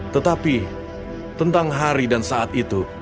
tetapi tentang hari dan saat itu